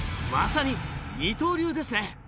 まさに二刀流ですね！